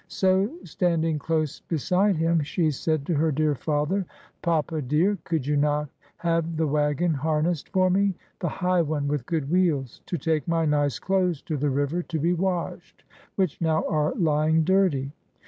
So standing close beside him, she said to her dear father :— "Papa dear, could you not have the wagon harnessed for me, — the high one, with good wheels, — to take my nice clothes to the river to be washed, which now are lying dirty?